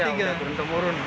iya udah turun temurun